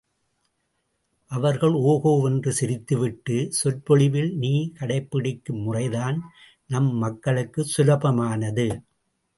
அவர்கள் ஓகோ வென்று சிரித்துவிட்டு, சொற்பொழிவில் நீ கடைப்பிடிக்கும் முறைதான் நம் மக்களுக்குச் சுலபமானது.